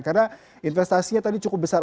karena investasinya tadi cukup besar